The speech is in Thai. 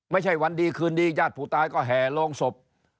ไม่ใช่วันดีคืนดีญาติผู้ตายก็แห่โรงศพ